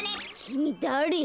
きみだれ？